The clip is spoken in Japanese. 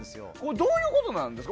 どういうことなんですか？